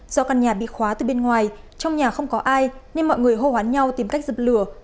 do căn nhà bị khóa từ bên ngoài trong nhà không có ai nên mọi người hô hoán nhau tìm cách dập lửa